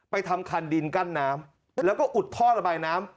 ทำคันดินกั้นน้ำแล้วก็อุดท่อระบายน้ำ